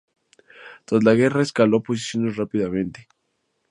Tras la guerra escaló posiciones rápidamente.